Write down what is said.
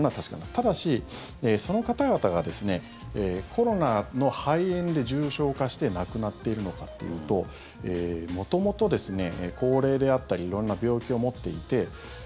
ただし、その方々がコロナの肺炎で重症化して亡くなっているのかっていうと元々、高齢であったり色んな病気を持っていて。